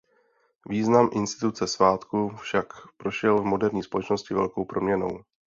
Význam instituce svátku však prošel v moderní společnosti velkou proměnou.